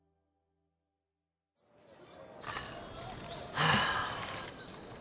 はあ。